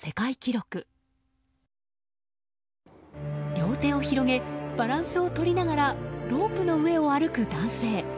両手を広げバランスをとりながらロープの上を歩く男性。